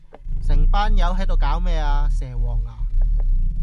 成班友喺度搞咩呀？蛇王呀？